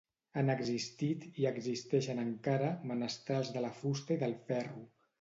Han existit, i existeixen encara, menestrals de la fusta i del ferro.